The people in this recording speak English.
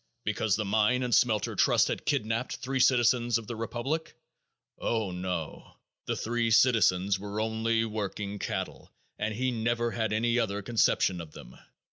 Because the Mine and Smelter Trust had kidnaped three citizens of the republic? Oh, no! The three citizens were only working cattle and he never had any other conception of them.